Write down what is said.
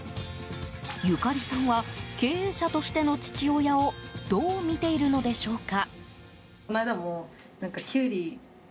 由加里さんは経営者としての父親をどう見ているのでしょうか？